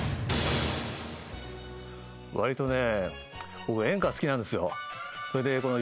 わりとね。